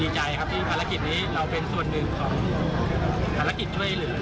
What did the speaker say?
ใจครับที่ภารกิจนี้เราเป็นส่วนหนึ่งของภารกิจช่วยเหลือ